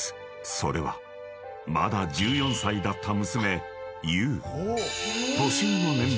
［それはまだ１４歳だった］